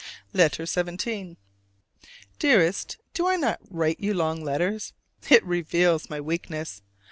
LETTER XVII. Dearest: Do I not write you long letters? It reveals my weakness.